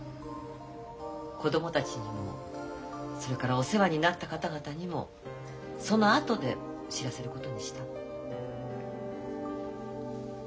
子供たちにもそれからお世話になった方々にもそのあとで知らせることにしたの。